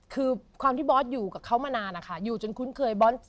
คือความที่บอสอยู่กับเขามานานนะคะอยู่จนคุ้นเคยบอส